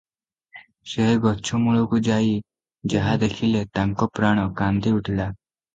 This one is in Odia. ସେ ଗଛମୂଳକୁ ଯାଇ ଯାହା ଦେଖିଲେ ତାଙ୍କ ପ୍ରାଣ କାନ୍ଦି ଉଠିଲା ।